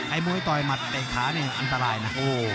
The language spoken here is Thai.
ไอ้ม้วยต่อยมัดแต่ขาเนี่ยอันตรายนะ